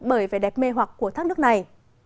bởi về đẹp mê hoặc của thác nước này